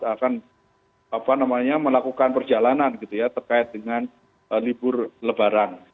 akan melakukan perjalanan gitu ya terkait dengan libur lebaran